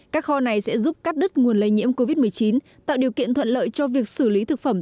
các kho này sẽ giúp cắt đứt nguồn lây nhiễm covid một mươi chín tạo điều kiện thuận lợi cho việc xử lý thực phẩm